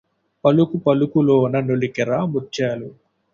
పలుకుపలుకులోన నొలికెరా ముత్యాలు